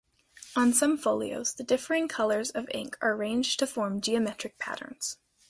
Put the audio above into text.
On some folios, the differing colors of ink are arranged to form geometric patterns.